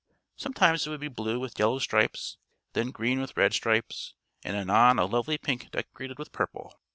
Sometimes it would be blue with yellow stripes, then green with red stripes, and anon a lovely pink decorated with purple.